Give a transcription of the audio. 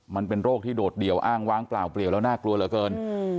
มันเป็นโรคที่โดดเดี่ยวอ้างว้างเปล่าเปลี่ยวแล้วน่ากลัวเหลือเกิน